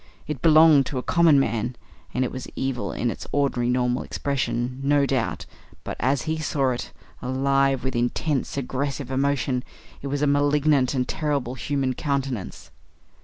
It belonged to a common man, and it was evil in its ordinary normal expression, no doubt, but as he saw it, alive with intense, aggressive emotion, it was a malignant and terrible human countenance.